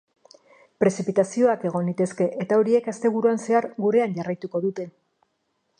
Prezipitazioak egon litezke, eta horiek, asteburuan zehar, gurean jarraituko dute.